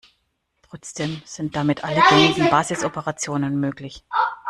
Trotzdem sind damit alle gängigen Basisoperationen möglich.